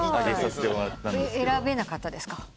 選べなかったですか？